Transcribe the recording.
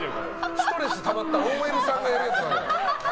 ストレスたまったＯＬさんがやるやつ。